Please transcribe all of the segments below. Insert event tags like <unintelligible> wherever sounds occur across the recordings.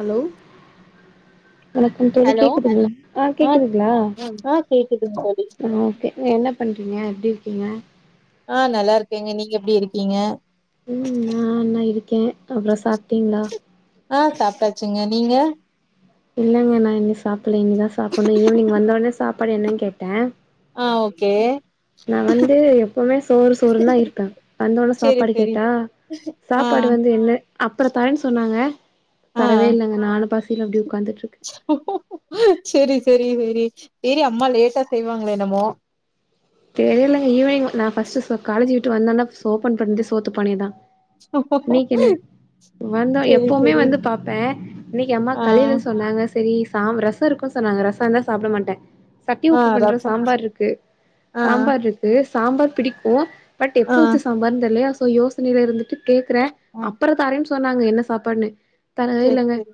Allow வணக்கம் தோழி hello கேக்குதுங்ளா ஆ கேக்குதுங்களா ஆ கேக்குதுங்க தோழி ஆ கே நீ என்ன பண்றீங்க எப்டி இருக்கீங்க ஆ நல்லாருக்கேங்க நீங்க எப்டி இருக்கீங்க க்கே அப்றோ சாப்ட்டீங்களா ஆ சாப்ட்டாச்சுங்க நீங்க இல்லங்க நா இன்னி சாப்புல இனி தா சாப்புட்ணுஈவ்னிங் வந்தோனே சாப்பாடு என்னன் கேட்டே ஆ ஓகே நா வந்து எப்போமே சோறு சோறுந்தாருப்பே வந்தோன செரி சாப்பாடு செரி கேட்டா ஆ சாப்பாடு வந்து இல்ல அப்றோ தரேன் சொன்னாங்க ஆ தரவே இல்லங்க நானு பசில அப்டியே ஒக்காந்துட்ருக்கே சேரி சேரி சேரி சேரி அம்மா லேட்டா செய்வாங்ளோ என்னமோ தெரிலைங்க ஈவ்னிங் நா ஃபர்ஸ்ட்டு சோ காலேஜு விட்டு வந்தோனே ஃபஸ் ஓபன் பண்ணது சோத்து பானயதா வந்தா செரி எப்போமே செரி வந்து பாப்பே இன்னக்கி அம்மா ஆ காலைல சொன்னாங்க செரி சாம் ர சோருக்கு சொன்னாங்க ரசோலா சாப்ட மாட்டே சட்டி ஆ உப்பு பண்ற ரசம் சாம்பார்ருக்கு ஆ சாம்பார்ருக்கு சாம்பார் பிடிக்கு பட் எப்ப ஆ வச்ச சாம்பார்ன் தெர்லயா சோ யோசனைல இருந்துட்டு கேக்றே ஆ அப்றோ தரேன் சொன்னாங்க என்ன சாப்பாட்னு தரவே செரி இல்லங்க செரி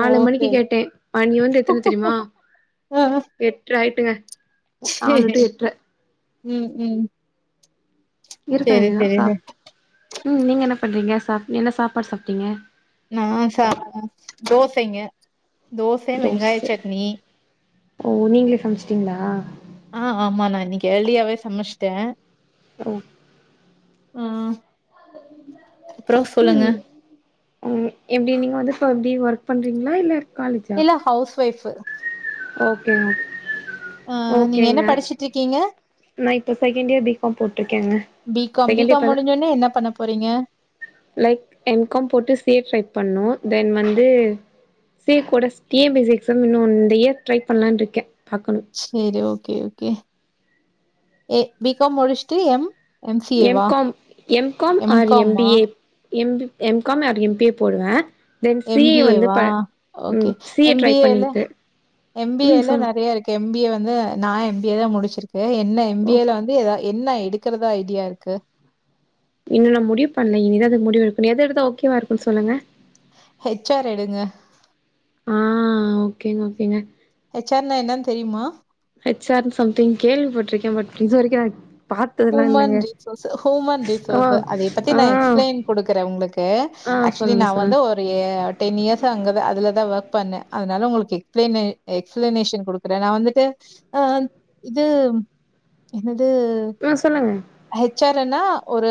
ஓ மணிக்கு செரி கேட்டே மணி வந்து எத்தன தெரிமா ஆ எட்டராயிட்டுங்க ம் ம் இருக்க செரி வேண்டியதா செரி சாப் ம் நீங்க என்ன பண்றீங்க சாப் என்ன சாப்பாடு சாப்ட்டீங்க நா சாப்டே தோசைங்க தோச வெங்காய தோச சட்னி ஓ நீங்ளே சமச்சிட்டீங்களா ஆ ஆமா நா இன்னக்கி ஏர்ளி யாவே சமச்சிட்டே ஓ ம் ம் ம் எப்டி நீங்க வந்து இப்ப எப்டி ஒர்க் பண்றீங்களா இல்ல காலேஜா இல்ல ஹவுஸ் ஒய்ஃப்ஃபு ஓகேங்க ஆ நீங்க என்ன படிச்சுட்ருக்கீங்க நா இப்போ செகண்ட் இயர் பி காம் போட்ருக்கேங்க B com B second year com இப்பதா முடிஞ்சோனே என்ன பண்ண போறீங்க லைக் எம் காம் போட்டு சி எஃப் ட்ரை பண்ணு தென் வந்து சீகோடஸ் T N P C exam இன்னு இந்த இயர் ட்ரை பண்லான்ட்ருக்கே பாக்கணு செரி ஓகே ஓகே ஏ பி காம் முடிச்சிட்டு எம் சி ஏ எம் வா com M com R M B A M B M com R M B A போடுவே தென் சி எம் பி ஏ வந்து ப வா ஓகே ம் C A M try B ஏல பண்ணிட்டு M B ம் ஏல சொல் நெறைய இருக் எம் பி ஏ வந்து நா எம் பி ஏ தா முடிச்சிருக்கு என்ன எம் பி ஓ ஏல வந்து ஏதாவ என்ன எடுக்கறதா ஐடியா இருக்கு இன்னு நா முடிவு பண்ல இனிதா அதுக் முடிவெடக்கனு எது எடுத்த ஓகேவ இருக்குன்னு சொல்லுங்க ஹெச் ஆர் எடுங்க ஆ ஓகேங்க ஓகேங்க ஹெச் ஆர்னா என்னனு தெரியுமா ஹெச் ஆர் சம்திங் கேள்விப்பட்ருக்கே பட் இதுவரைக்கு <unintelligible> ஹூமன் ரிசோர்ஸ் ஹூமன் ஓ ரிசோர்ஸ்சு அத பத்தி ஆ நா எக்ஸ்பிளைன் குடுக்குறே உங்ளுக் கு ஆ ஆக்சுவலி சொல்லுங்க நா சொல்லுங்க வந்து ஒரு அப்டியே டென் இயர்ஸ்ச அங்கதா அதுல தா ஒர்க் பண்ணே அதனால உங்களுக்கு எக்ஸ்பிளேனே எக்ஸ்பிளனேஷன் குடுக் அப்றோ நா வந்துட்டு அ இது து ம் சொல்லுங்க ஹெச் ஆர் என்னா ஒரு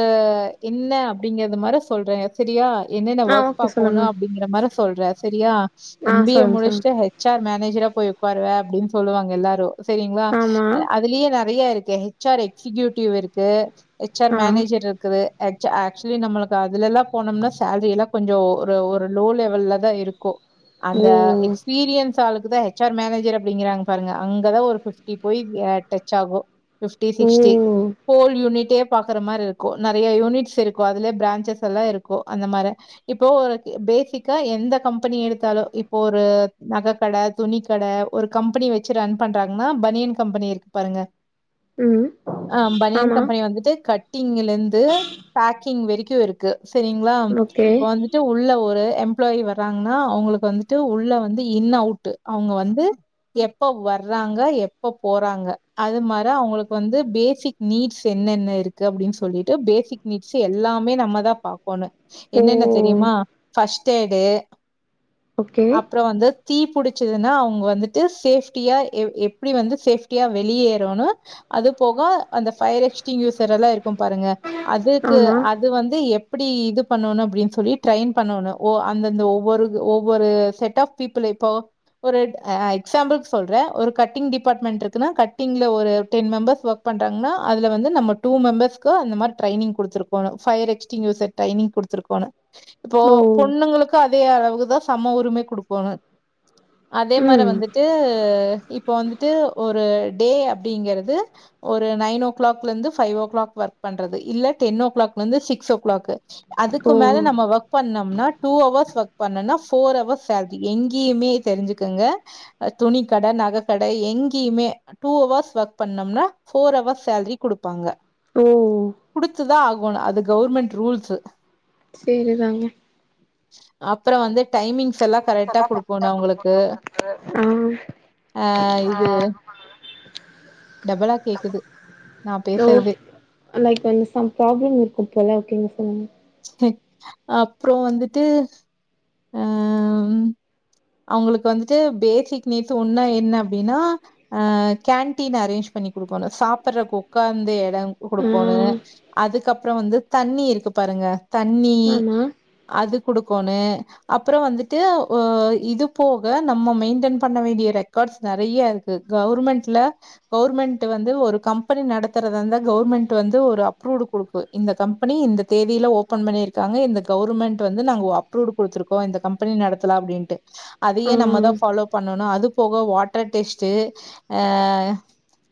என்ன அப்டிங்கிறது மாரி சொல்றே செரியா என்னென்ன ஆ ஒர்க் ஓகே பாப்போம்னு சொல்லுங்க அப்டிங்கற மாரி சொல்றே செரியா ஆ எம் பி ஏ சொல்லுங்க சொல்லுங்க முடிச்சுட்டு ஹெ ச் சார் மேனேஜரா போயி உட்காருவ அப்டின்னு சொல்லுவாங்க எல்லாரு செரிங்களா ஆமா அதுக் அதுலே நெறைய இருக்கு ஹெச் ஆர் எக்ஸியூட்டிவ் இருக்கு ஹச் ஆர் ஆ மேனேஜர் இருக்குது ஹெச் ஆக்சுவலி நம்ளுக்கு அதுலல்லா போனோம்னா சேலரி எல்லா கொஞ்சோ ஒரு ஒரு லோ லெவல்ல தா இருக்கு ஓ அந்த எக்ஸ் பீரியன்ஸ் ஆளுக்கு தா ஹெச் ஆர் மேனேஜர் அப்டிங்கிறாங்க பாருங்க அங்கதா ஒரு ஃப்டி போய் டச் ஆகு ஃப்டி ஓ சிக்ஸ்டி ஃகோல் யூனிட்டே பாக்குற மாரி இருக்கு நெறைய யூனிட்ஸ் இருக்கு அதுலே பிரான்சஸ் எல்லா இருக்கு அந்த மார இப்போ ஒருக்கு பேசிக்கா எந்த கம்பெனி எடுத்தாலு இப்போ ஒரு நக கட துணி கட ஒரு கம்பெனி வச்சு ரன் பண்றாங்கன்னா பனியன் கம்பெனி இருக்கு பாருங்க ம் ஆ பன் ஆமா யன் வந்துட்டு கட்டிங்ல இருந்து பேக்கிங் வரைக்கு இருக்கு செரிங்களா ஓகே இப்ப வந்து ட்டு உள்ள ஒரு எம்ப்ளாயி வறாங்கன்னா அவுங்களுக்கு வந்துட்டு உள்ள வந்து இன் அவுட் அவுங்க வந்து எப்ப வர்றாங்க எப்ப போறாங்க அது மார அவுங்களுக்கு வந்து பேசிக் நீட்ஸ் என்னென்ன இருக்கு அப்டின்னு சொல்லிட்டு பேசிக் நீட்ஸ் எல்லாமே நம்ம தா பாக்கொணு ஓ என்னென்ன தெரியுமா ஃபர்ஸ்ட் எடு ஓகே அப்றோ வந்து தீ புடிச்சதுன்னா அவுங்க வந்துட்டு சேஃப்டியா எ எப்டி வந்து சேஃப்டியா வெளியேறுன்னு அது போக அந்த ஃபயர் எக்ஸ்டிங் யூசர் எல்லா இருக்கு பாருங்க அதுக்கு ஆமா அ அது வந்து எப்டி இது பண்ணணு அப்டின்னு சொல்லி ட்ரெயின் பண்ணணு அந்தந்த ஒவ்வொரு ஒவ்வொரு செட் ஆஃப் பீப்பிள் எப்போ ஒரு ஆய் எக்ஸாம்பிள்க்கு சொல்றே ஒரு கட்டிங் டிபார்ட்மெண்ட் இருக்குனா கட்டிங்ல ஒரு டென் மெம்பர்ஸ் ஒர்க் பண் டங்கன்னா அதுல வந்து நம்ம டூ மேம்பர்ஸ்க்கு அந்த மாரி ட்ரைனிங் குடுத்து இருக்கணு ஃபயர் எக்ஸ்டீங் யூசர் ட்ரைனிங் குடுத்து இருக்கணு இப்போ ஓ பொண்ணுங்களுக்கு அதே அளவுதா சம உரிமை குடுக்கணு அதே மாரி ம் வந்துட்டு இப்போ வந்துட்டு ஒரு டே அப்டிங்கறது ஒரு நைன் ஓ க்ளாக்ல இருந்து ஃபயோ ஓ க்ளாக் ஒர்க் பண்றது இல்ல டென் ஓ க்ளாக் இருந்து சிக்ஸ் ஓ க்ளாக் ஓ அதுக்கு மேல நம்ம ஒர்க் பண்ணம்னா டூ ஹவர்ஸ் ஒர்க் பண்ணனா ஃபோர் ஹவர்ஸ் சேல்ரி எங்கேயுமே தெரிஞ்சிக்கங்க துணி கட நகை கட எங்கேயுமே டூ ஹவர்ஸ் ஒர்க் பண்ணோம்னா போர் அவர்ஸ் சேல்ரி குடுப்பாங்க ஓ குடுத்துதா ஆகனு அது கவுர்மெண்ட் ரூல்ஸு சேரிதாங்க அப்பற வந்து டைமிங்ஸ் எல்லா கரெக்டா குடுக்கோனு அவுங்களுக்கு ஆ அஹ இது டபளாக் கேக் தோ லைக் ஒன் சம் ப்ராப்ளம் இருக்கும் போல ஓகேங்க சொல்லுங்க ஹே அப்றோ வந்துட்டு ஹம் அவுங்களுக்கு வந்துட்டு பேசிக் நீட்ஸ் ஒண்ணா என்ன அப்டினா ஆ கேன்டீன் அரேஞ்ச் பண்ணி குடுக்கோணு சாப்ரக்கு உக்காந்தே கேங்குக் ஆ குடுக்கோனு அதுக்கப்பற வந்து தண்ணி இருக்கு பாருங்க தண்ணி ஆமா அது குடுக்கோனு அப்பறோ வந்துட்டு ஓ இது போக நம்ம மெயின்டென் பண்ண வேண்டிய ரெக்கார்ட்ஸ் நெறையா இருக் கு கவுர்மெண்ட்ல கவர்மெண்ட் வந்து ஒரு கம்பெனி நடத்துறதாந்த கவர்மெண்ட் வந்து ஒரு அப்ரூட் குடுக்கு இந்த கம்பெனி இந்த தேதில ஓபன் பண்ணியிருக்காங்க இந்த கவுர்மெண்ட் வந்து நாங்க அப்ரூவ்ட் கேடுத்துருக்கோ இந்த கம்பெனி நடத்தலா அப்டின்ட்டு ஆ அதையே நம்ம தா ஃபாலோ பண்ணணு அது போக வாட்டர் டெஸ்ட்டு அ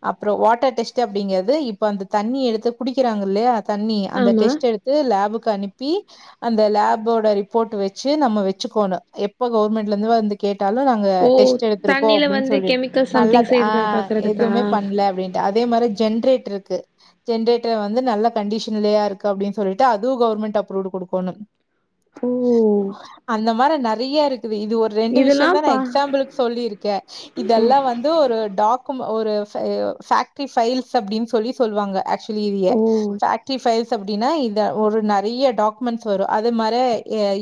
அப்றோ வாட்டர் டெஸ்ட்டு அப்டிங்கறது இப்ப அந்த தண்ணி எடுத்து குடிக்கிறாங்க இல்லையா தண்ணி அந்த ஆமா டெஸ்ட் எடுத்து லேபுக்கு அனுப்பி அந்த லேபோட ரிப்போர்ட் வெச்சி நம்ம வெச்சிக்கோனு எப்ப கவுவர்மெண்ட்ல இருந்து வந்து கேட்டாலு நா ங்க ஓ டெஸ்ட் எடுத்திருக்கோ தண்ணில அப்டின்னு வந்து சொல்லி கெமிக்கல் நல்ல சம்திங் ஆ சேருதா பாக்குறதுக்கா எதுமே பண்ணல அப்டின் அதே மாரி ஜென்ரேட்ருக்கு ஜென்ரேட்டர் வந்து நல்ல கண்டிஷன்லயா இருக்கு அப்டின் சொல்லிட்டு அதுவு கவர்மெண்ட் அப்ரூவ்ட் குடுக்கோணு ஓ அந்த மாரி நெறையா இருக்குது இது ஒரு ரெண்டு இதெல்லா விஷ்யந்தா நா பா எக்ஸாம்பிளுக்கு சொல்லியிருக்கே ஓ இதெல்லா வந் து ஒரு டாக்கும் ஒரு பெயி பேக்டரி பைல்ஸ் அப்டின் சொல்லி சொல்லுவாங்க ஆக்ச் பிலீவிய ஓ பேக்ட்ரி பைல்ஸ் அப்டின்னா இ ஒரு நெறைய டாக்குமெண்ட்ஸ் வரும் அது மாரே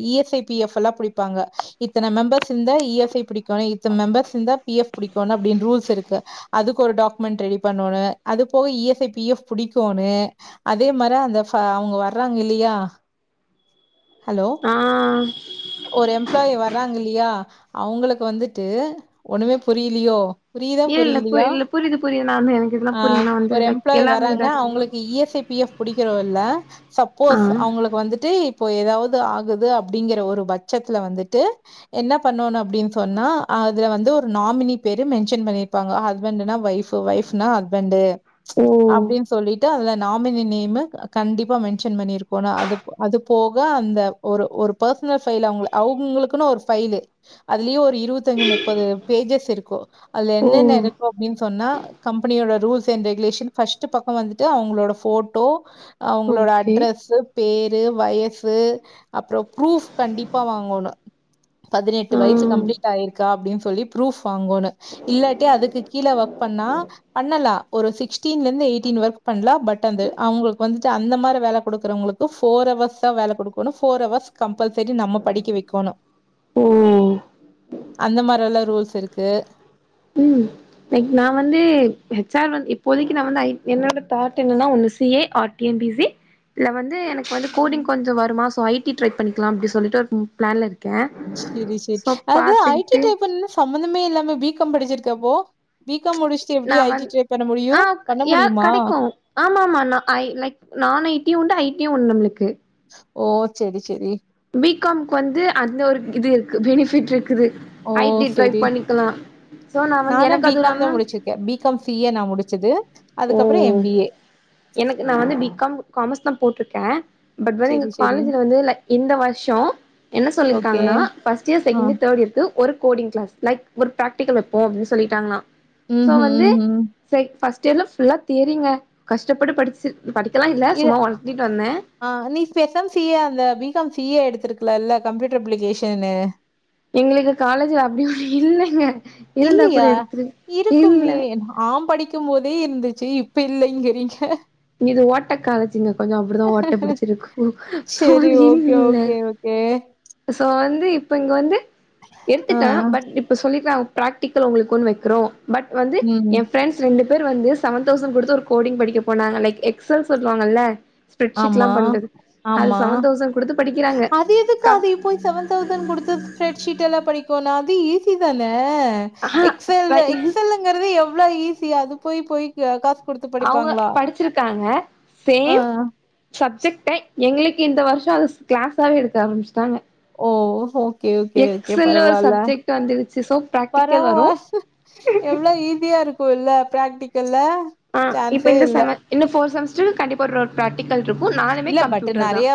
E S I P F பல்லாம் புடிப்பாங்க இத்தன மெம்பர்ஸ் இந்தா இ எஸ் ஐ புடிக்கோணு இத்தன மெம்பர்ஸ் இந்தா பி எப் புடிக்கோணு அப்டின் ரூல்ஸ் இருக்கு அதுக்கு ஒரு டாக்மெண்ட் ரெடி பண்ணோணு அது போக E S I P F புடிக்கோணு அதே மார அந்த அவங்க வர்றாங்க இல்லியா ஹலோ ஆ ஒரு எம்ப்ளாயி வராங்க இல்லியா அவங்களுக்கு வந்துட்டு ஒண்ணுமே புரிலியோ புரியிதா ஏ இல்ல பு புரியிலியா இல்ல புரியுது புரியுது நா வந்து எனக்கு இதெல்லா ஆ புரியு நா வந்து ஒரு லைக் எம்ப்ளாயி எல்லாமே வராங்க இதா அவங்களுக்கு E S I P F புடிக்கறோ இல்ல ஆ சப்போஸ் அவங்களுக்கு வந்துட்டு இப்போ ஏதாவது ஆகுது அப்டிங்கற ஒரு பட்சத்துல வந்துட்டு என்ன பண்ணோணு அப்டின் சொன்னா அதுல வந்து ஒரு நாமினி பேரு மென்ஷன் பண்ணிருப்பாங்க ஹஸ்பண்ட்டுனா வைப் சோ வைஃப்னா ஹஸ்பண்ட்டு ஓ அப்டின் சொல்லிட்டு அதுல நாமினி நேமு கண்டிப்பா மென் சன் பண்ணிருக்கோனு அது அது போக அந்த ஒரு ஒரு பர்சனல் ஃபைல் அவ்ங்க அவ்ங்களுக்குனு ஒரு ஃபைலு அதலியூ ஒர் இருவத்தி அஞ்சி முப்பது பேஜஸ் இருக்கு அதுல ஓ என்னென்ன இருக்கு அப்டின் சொன்ன கம்பெனியோட ரூல்ஸ் அண்ட் ரெகுலேஷன் ஃபஸ்ட்டு பக்கம் வந்துட்டு அவங்களோட போட்டோ அவங்களோட அட் ஓகே ஸு பேரு வயசு அப்புறோ ஃப்ரூப் கண்டிப்பா வாங்கணு பதினெட்டு ஆ வயசு கம்ப்ளீட் ஆயிருக்கா அப்டின்னு சொல்லி ப்ரூஃப் வாங்கோனு இல்லாட்டி அதுக்கு கீழ ஒர்க் பண்ணா பண்ணலா ஒரு சிக்ஸ்டீன்ல இருந்து எயிட்டீன் வர்க் பண்ணலா பட் அந்த அவுங்களுக்கு வந்துட்டு அந்த மார வேல குடுக்கறவங்களுக்கு ஃபோர் ஹவர்ஸ் தா வேல குடுக்கணு ஃபோர் ஹவர்ஸ் கம்பல்சரி நம்ம படிக்கவெக்கோனு ம் அந்த மாரெல்லா ரூல்ஸ் இருக்கு ம் லைக் நா வந்து ஹெச் ஆர் வந் இப்போதைக்கு நா வந்து ஐ என்னோட தாட் என்னன்னா ஒன்னு C A R T M B C இல்ல வந்து எனக்கு வந்து கோடிங் கொஞ்சோ வருமா சோ ஐ டி ட்ரை பண்ணிக்கலா அப்டி சொல்லிட்டு ம் பிளான்ல இருக் செரி செரி அது ஐ டி டைப்பன்னு சம்மந்தமே இல்லாமே பி காம் படிச்சிருக்க அபபோ பி காம் முடிச் சு நா எப்டி ஐ டி வந் ட்ரை பண்ண முடியு ஆ பண்ண யா முடியுமா கெடைக்கு ஆமா ஆமா நா ஐனைக் நான்ஐ டியு உண்டு ஐ டியு உண்டு நம்மளுக்கு ஓ சேரி சேரி பி காம்க்கு வந்து அந்த ஒரு இது இருக்கு பெனிஃபிட் இருக்குது ஓ ஐ டி ட்ரை செரி பண்ணிக்கலா சோ நா வந்து நானு எனக்கு பி அதுவு காம் தா இல்லாம முடிச்சிருக்கே பி. காம் சி ஏ நா முடிச்சது அதுக்கப்புறோ எம் ஓ பி ஏ எனக்கு நா வந்து பி காம் காமர்ஸ் தா போட்டிருக்க பட் வந் எங்க செரி செரி காலேஜ்ல வந்து ல இந்த வருஷோ என்ன ஓகே சொல்லிருக்காங்கன்னா ஃபர்ஸ்ட் இயர் ஆ செகண்ட் இயர் தேர்ட்டு இயர்க்கு ஒரு கோடிங் கிளாஸ் லைக் ஒரு பிராக்டிகல் வப்போ அப்டினு சொல்லிட்டாங்கன்னா ம் சோ ம் வந்து ம் ம் சேக் ஃபர்ஸ்ட் இயர்ல ஃபுல்லா தியரிங்க கஷ்டப்பட்டு படிச்சு படிக்கலா இல்ல இது சும்மா ஒன்த்திட்டு வந்த ஆ நீ ஸ்பெசாம சி ஏ அந்த பி காம் சி ஏ எடுத்திருக்கலால்ல கம்ப்யூட்டர் அப்ளிகேஷன்னு எங்களுக்கு காலேஜ்ல அப்டி ஒன்னு இல்லங்க இல்லையா இருக்குமே நா படிக் கும் போதே இருந்துச்சு இப்ப இல்லைங்கறீங்க இங்க இது ஓட்ட காலேஜுங்க கொஞ்சோ அப்டிதா ஓட்ட புடிச்சிருக்கு சோ அது இல்ல இங்க ஏ சோ வந்து இப்ப இங்க வந்து ஆ, எடுத்துட்டா பட் இப்ப சொல்லிக்லா பிராக்டிக்கல் உங்களுக்கு ஒன் வைக்கிறோ பட் வந்து ம். எ ப்ரெண்ட் ஸ் ரெண்டு பேர் வந்து செவன் தௌசண்ட் கொடுத்து ஒரு கோடிங் படிக்க போனாங்க லைக் எக்ஸ் எல் சொல்லுவாங்கல்ல ஆமா, பெட்ஷீட்லாம் பண்றது அது ஆமா செவன் தௌசண்ட் குடுத்து படிக்கிறாங்க அது எதுக்கு கம் அதுய்போய் செவன் தவுசண்ட் குடுத்து ஃபரெட்ஷீட் எல்லா படிக்கோனு அது ஈஸி தான ஆஹா எக்செல்லு எக்செல்லு ங்குறது எவ்ளோ ஈஸி அது போய் போய் யா காசு குடுத்து அவங்க படிப்பாங்களா படிச்சிருக்காங்க ஆ அ சப்ஜெக்ட்ட எங்களுக்கு இந்த வருஷோ அது கிளாஸாவவே எடுக்கா ஆரம்பிச்சுட்டாங்க ஓ ஹோ ஓகே ஓகே ஓகே எக்ஸல்னு ஒரு பரவாலா சப்ஜெக்ட் வந்துடுச்சு சோ பிராக்டிக்கல் வரு பரவால் எவ்ளோ ஈஸியா இருக்கு ஸ்கூல்ல பிராக்டிகல்ல அ இப்ப சான்ஸே இந்த இல்ல. செம இன்னு ஃபோர் செமஸ்ட்ரு கண்டிப்பா ஒரு பிராக்டிகல் இருக்கும் நாலுமே கம்ப்யூட்டர் தான்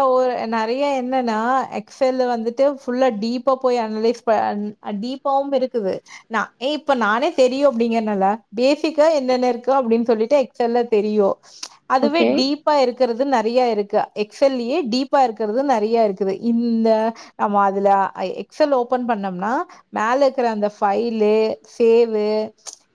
நறைய என்னன்னா எக்ஸ்எல்லு வந்துட்டு ஃபுல்லா டீப்பா போய் அனலைஸ் பண் அ டீப்பாவு இருக்குது நா எ இப்ப நானே தெரியு அப்டிங்கறனால பேசிக்கா என்னென்ன இருக்கு அப்டின்னு சொல்லிட்டு எக்ஸல்ல தெரியு அதுவே ஓகே டீப்பா இருக்கறது து நறைய இருக்கு‌ எக்செல்லையே டீப்பா இருக்கறது நறைய இருக்குது இந்த நம்ம அதுல எக்ஸ் எல் ல ஓபன் பண்ணோம்னா மேல இருக்கற அந்த ஃபைலு சேவு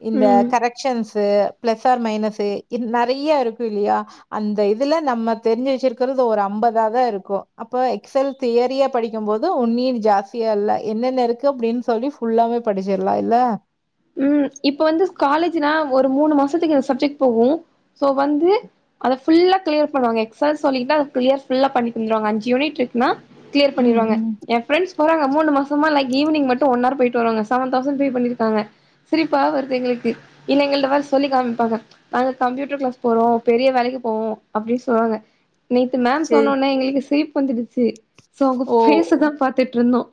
இந்த ம் கரக்சென்சு பிளஸ் ஆர் மைனஸு இ நெறைய இருக்கு இல்லையா அந்த இதுல நம்ம தெரிஞ்சு வச்சிருக்கிறது ஒரு அம்பது தாது இருக்கு அப்ப எக்ஸ் செல் தியரிய படிக்குபோது உன்னையு ஜாஸ் எல்லா என்னென்ன இருக்கு அப்டின்னு சொல்லி ஃபுல்லாவே படிச்சிரலா இல்ல உம் இப்ப வந்து காலேஜ்னா ஒரு மூணு மாசத்துக்கு இ சப்ஜெட் போகு சோ வந்து அத ஃபுல்லா கிளியர் பண்ணுவாங்க எக்செல் சொல்லிட்டா கிளியர் ஃபுல்லா பண்ணி வந்துருவாங்க அஞ் யூனிட் இருக்குன்னா கிளியர் ம், பண்ணிருவாங்க ம். என் பிரெண்ட்ஸ் போறாங்க அ முணு மாசம்மா லைக் ஈவினிங் மட்டு ஒன்னா ஹவர் போயிட்டு வருவோங்க செவன் தௌசண்ட் பே பண்ணிருக்காங்க சிரிப்பா வருது எங்களுக்கு இல்ல எங்கட்ட சொல்லி காமிப்பாங்க நாங்க கம்ப்யூட்டர் கிளாஸ் போரோ பெரிய வேலைக்கு போவோ அப்டின்னு சொல்லுவாங்க நேத்து மேம் சரி. சொன்னோனா எங்களுக்கு சீப் வந்துடுச்சு சோ அங்க ஃபேஸ்ச தா பாத்துட்டு இருந்தோ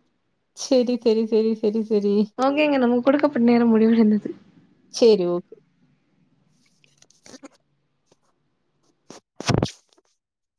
செரி செரி செரி செரி செரி ஓகேங்க நம்ம குடுக்கப்பட்ட நேரோ முடிவடைந்தது செரி ஓகே